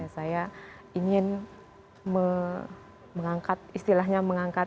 saya ingin mengangkat istilahnya mengangkat